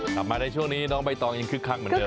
กลับมาในช่วงนี้น้องใบตองยังคึกคักเหมือนเดิ